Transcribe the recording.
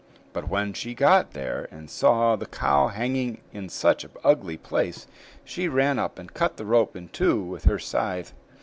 But when she got there and saw the cow hanging in such an ugly place, she ran up and cut the rope in two with her scythe.